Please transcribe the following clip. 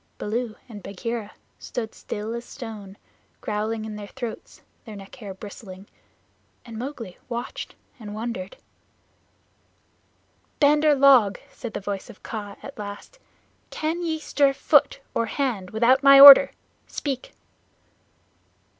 Baloo and Bagheera stood still as stone, growling in their throats, their neck hair bristling, and Mowgli watched and wondered. "Bandar log," said the voice of Kaa at last, "can ye stir foot or hand without my order? Speak!"